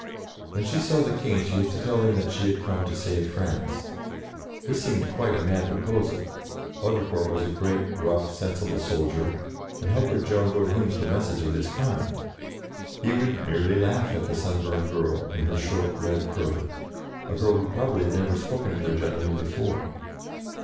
When she saw the King, she was to tell him that she had come to save France. This seemed quite a mad proposal. Bau dricourt was a great, rough, sensible sol NEWS HEARD STRANGELY 21 dier, and how could Joan go to him with a message of this kind ? He would merely laugh at the sunburned girl in her short red kirtle a girl who, probably, had never spoken to a gentleman before.